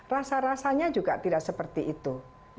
rasa rasanya juga tidak seperti itu